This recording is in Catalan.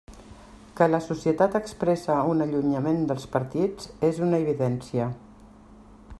Que la societat expressa un allunyament dels partits és una evidència.